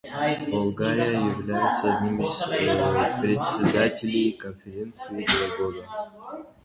Болгария является одним из Председателей Конференции этого года.